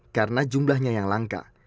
karena jumlahnya yang langka